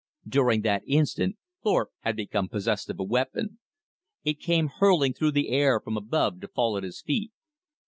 During that instant Thorpe had become possessed of a weapon It came hurling through the air from above to fall at his feet.